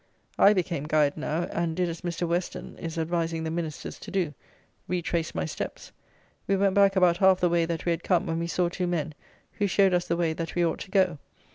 I became guide now; and did as Mr. Western is advising the Ministers to do, retraced my steps. We went back about half the way that we had come, when we saw two men, who showed us the way that we ought to go.